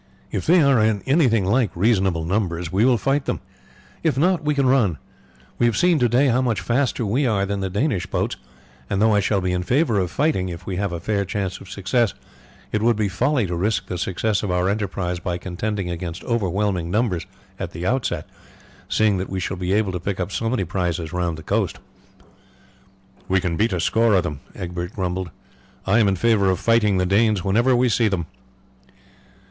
"If they are in anything like reasonable numbers we will fight them; if not, we can run. We have seen to day how much faster we are than the Danish boats; and though I shall be in favour of fighting if we have a fair chance of success, it would be folly to risk the success of our enterprise by contending against overwhelming numbers at the outset, seeing that we shall be able to pick up so many prizes round the coast." "We can beat a score of them," Egbert grumbled. "I am in favour of fighting the Danes whenever we see them."